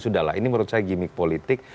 sudahlah ini menurut saya gimik politik